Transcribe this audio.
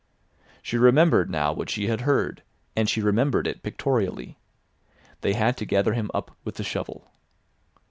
She remembered now what she had heard, and she remembered it pictorially. They had to gather him up with the shovel.